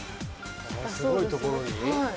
すごい所に？